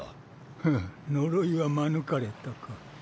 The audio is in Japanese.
ふっ呪いは免れたか。